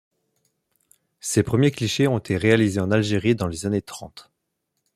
Ses premiers clichés ont été réalisés en Algérie dans les années trente.